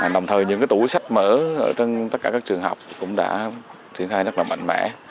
đồng thời những tủ sách mở trên tất cả các trường học cũng đã triển khai rất là mạnh mẽ